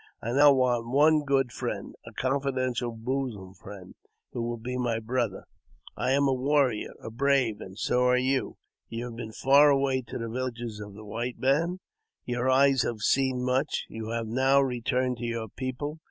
I now want one good friend — a confidential bosom friend — who will be my brother. I am a warrior — a brave — and so are you. You have been far away to the villages of the white man; your eyes have seen much ; you have now returned to your people.